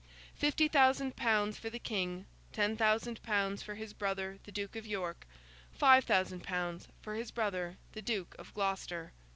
Fifty thousand pounds for the King, ten thousand pounds for his brother the Duke of York, five thousand pounds for his brother the Duke of Gloucester.